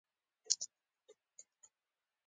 غول دې وخوړل؛ اوس چونه مه ورکوه.